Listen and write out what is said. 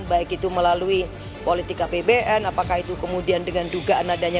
baik itu melalui politik apbn apakah itu kemudian dengan dugaan adanya